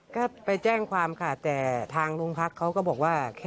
ก็ไปแจ้งความค่ะแต่ทางโรงพักเขาก็บอกว่า